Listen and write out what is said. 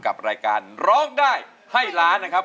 กับรายการร้องได้ให้ล้านนะครับ